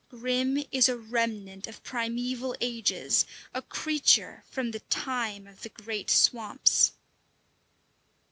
Grim is a remnant of primeval ages, a creature from the time of the great swamps.